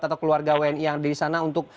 atau keluarga wni yang ada di sana untuk